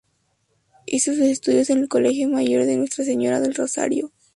Hizo sus estudios en el Colegio Mayor de Nuestra Señora del Rosario.